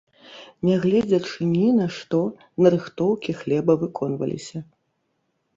Нягледзячы ні на што, нарыхтоўкі хлеба выконваліся.